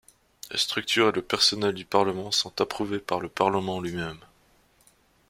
La structure et le personnel du Parlement sont approuvés par le Parlement lui-même.